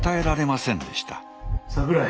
桜井。